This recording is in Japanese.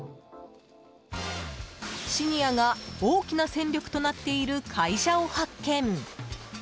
シニアが大きな戦力となっている会社を発見。